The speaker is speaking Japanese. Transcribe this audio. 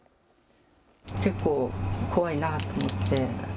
結構怖いなと思って。